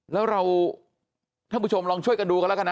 แล้วเราท่านผู้ชมลองช่วยกันดูกันแล้วกันนะ